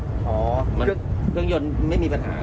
อ๋อเครื่องยนต์ไม่มีปัญหาครับ